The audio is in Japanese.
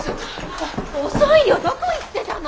遅いよどこ行ってたの！